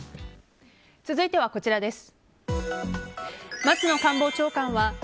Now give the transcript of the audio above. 続いては、こちらです。